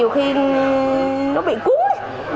rồi nói vậy á